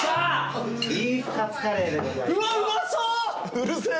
うるせえ！